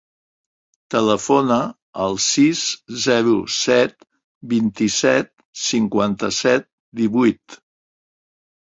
Telefona al sis, zero, set, vint-i-set, cinquanta-set, divuit.